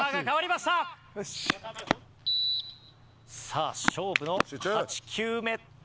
さあ勝負の８球目。